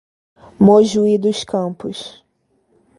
Mojuí dos Campos